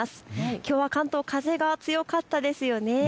きょうは関東、風が強かったですよね。